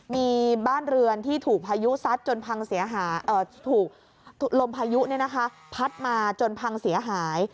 มีบ้านเรือนที่ถูกลมพายุพัดมาจนพังเสียหาย